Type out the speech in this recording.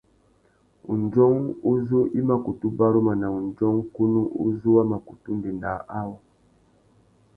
Undjông uzu i mà kutu baruma nà undjông kunú uzu wa mà kutu ndénda awô.